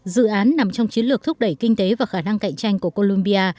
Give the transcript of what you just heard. dự án nằm trong chiến lược thúc đẩy kinh tế và khả năng cạnh tranh của colombia